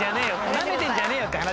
なめてんじゃねえよって話。